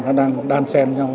nó đang đan sen nhau